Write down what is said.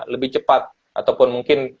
lebih cepat ataupun mungkin